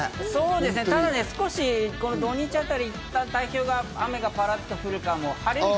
ただ少し、土日あたり、いったん太平洋側、雨がパラっと降るかもです。